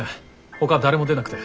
ほか誰も出なくて。